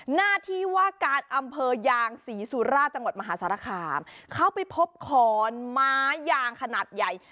หน้าที่ว่าการอำเภอยางศรีสุราชจังหวัดมหาสารคามเขาไปพบขอนไม้ยางขนาดใหญ่